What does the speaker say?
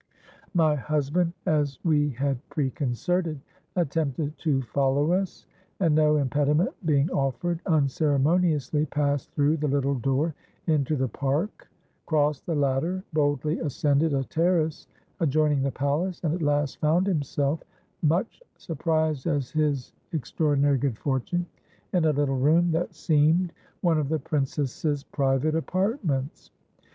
"My husband, as we had preconcerted, attempted to follow us, and, no impediment being offered, unceremoniously passed through the little door into the park, crossed the latter, boldly ascended a terrace adjoining the palace, and at last found himself much surprised at his extraordinary good fortune in a little room that seemed one of the princess's private apartments.